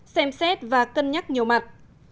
xem xét và cân nhắc nhiều mặt